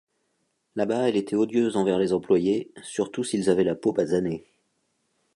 Là-bas, elle était odieuse envers les employés, surtout s'ils avaient la peau basanée.